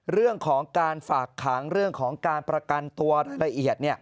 เรื่องของการฝากขังเรื่องของการประกันตัวละเอียด